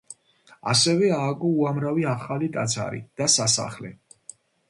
ასევე ააგო უამრავი ახალი ტაძარი და სასახლე.